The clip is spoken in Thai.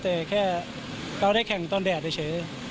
แต่แค่เราได้แข่งตอนแดดเฉย